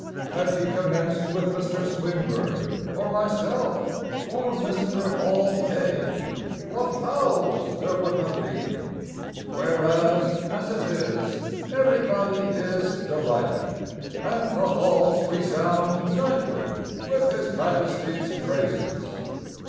Had he commenced with Mr. Swinburne, Or myself, Or Mr. Hall Caine What howls there would have been! Whereas as it is Everybody is delighted, And the Halls resound nightly with his Majesty's praises.